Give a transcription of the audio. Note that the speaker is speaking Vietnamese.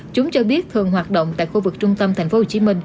chúng cho biết thường hoạt động tại khu vực trung tâm tp hcm